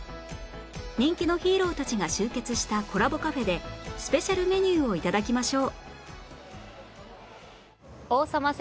人気のヒーローたちが集結した「コラボカフェ」でスペシャルメニューを頂きましょう